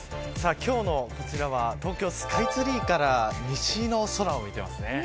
今日の東京スカイツリーから西の空を見てます。